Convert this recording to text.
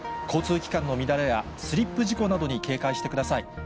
交通機関の乱れや、スリップ事故などに警戒してください。